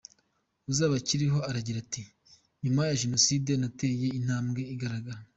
Uzabakiriho aragira ati: “Nyuma ya Jenoside nateye intambwe igaragara.